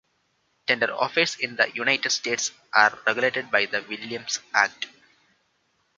Tender offers in the United States are regulated by the Williams Act.